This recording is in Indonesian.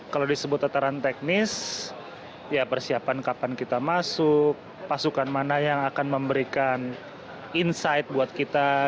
kalau disebut tataran teknis ya persiapan kapan kita masuk pasukan mana yang akan memberikan insight buat kita